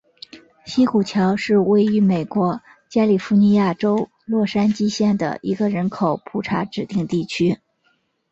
西谷桥是位于美国加利福尼亚州洛杉矶县的一个人口普查指定地区。